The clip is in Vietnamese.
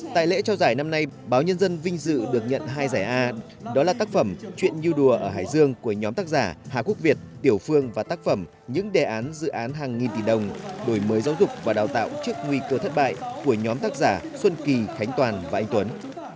tại lễ trao giải năm nay báo nhân dân vinh dự được nhận hai giải a đó là tác phẩm chuyện như đùa ở hải dương của nhóm tác giả hà quốc việt tiểu phương và tác phẩm những đề án dự án hàng nghìn tỷ đồng đổi mới giáo dục và đào tạo trước nguy cơ thất bại của nhóm tác giả xuân kỳ khánh toàn và anh tuấn